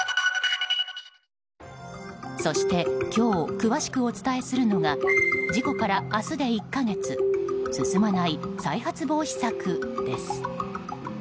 そして、今日詳しくお伝えするのが事故から明日で１か月進まない再発防止策です。